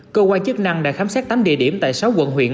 cơ quan chức năng đã khám xét tám địa điểm tại sáu quận huyện